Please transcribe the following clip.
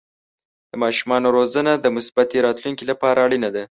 د ماشومانو روزنه د مثبتې راتلونکې لپاره اړینه ده.